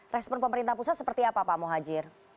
resmen pemerintah pusat seperti apa pak mohajir